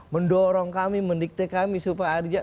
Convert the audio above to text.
mendorong kami mendikte kami supaya